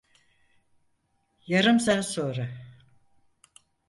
Yarım saat sonra.